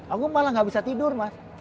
aku malah gak bisa tidur mas